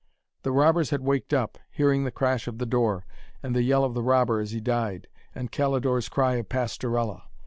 The robbers had waked up, hearing the crash of the door, and the yell of the robber as he died, and Calidore's cry of 'Pastorella.'